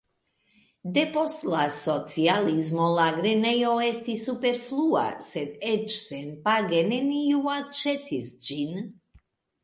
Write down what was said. Depost la socialismo la grenejo estis superflua, sed eĉ senpage neniu aĉetis ĝin.